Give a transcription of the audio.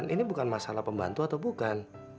ini bukan masalah pembantu atau bukan